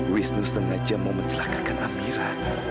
wisnu sengaja mau mencelakakan amira